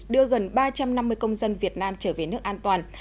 đưa gần ba trăm năm mươi công dân việt nam trở về nước an toàn